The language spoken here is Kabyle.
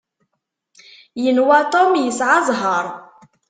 Yenwa Tom yesɛa zzheṛ.